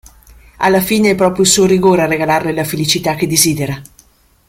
Alla fine è proprio il suo rigore a regalarle la felicità che desidera.